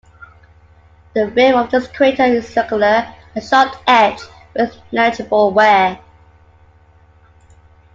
The rim of this crater is circular and sharp-edged, with negligible wear.